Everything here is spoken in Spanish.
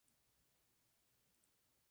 Algunos infantes, niños y adultos mueren.